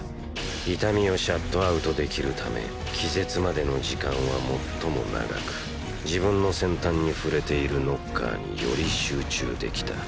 痛みをシャットアウトできるため気絶までの時間は最も長く自分の先端に触れているノッカーにより集中できた。